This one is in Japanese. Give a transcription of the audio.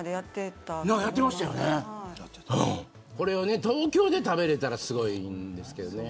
これを東京で食べられたらすごいんですけどね。